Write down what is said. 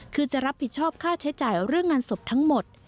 คือจะรับผิดชอบค่าใช้จ่ายเรื่องงานศพทั้งหมด